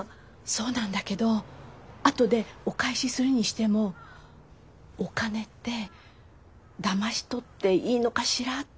そうなんだけど後でお返しするにしてもお金ってだまし取っていいのかしらって。